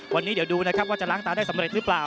วันนี้เดี๋ยวดูนะครับว่าจะล้างตาได้สำเร็จหรือเปล่า